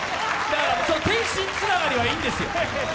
天津つながりはいいんですよ。